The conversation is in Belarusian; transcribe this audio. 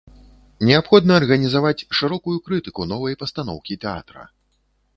Неабходна арганізаваць шырокую крытыку новай пастаноўкі тэатра.